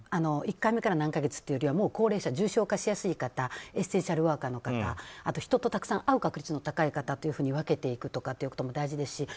１回目から何か月というよりは高齢者、重症化しやすい方エッセンシャルワーカーの方人と会う確率の高い方と分けていくとかということも大事ですし。